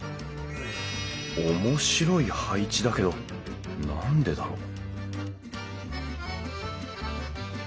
おもしろい配置だけど何でだろう？